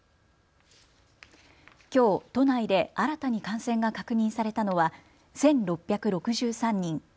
きょう都内で新たに感染が確認されたのは１６６３人。